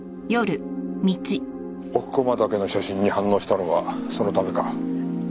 奥駒岳の写真に反応したのはそのためか。